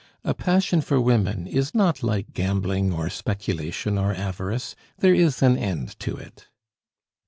A passion for women is not like gambling, or speculation, or avarice; there is an end to it."